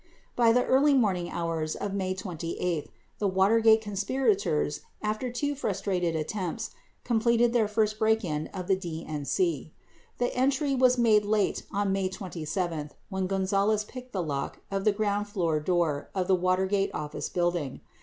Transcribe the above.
30 By the early morning hours of May 28, the Watergate conspirators, after two frustrated attempts, completed their first break in of the DNC. 31 The entry was made late on May 27 when Gonzales picked the lock of the ground floor door of the Watergate Office Building.